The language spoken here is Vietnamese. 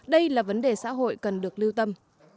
đây là vấn đề xã hội cần được lưu tâm